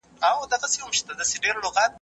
پلی تګ د وینې شکر کمولو لپاره مناسبه لاره ده.